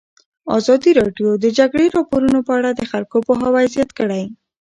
ازادي راډیو د د جګړې راپورونه په اړه د خلکو پوهاوی زیات کړی.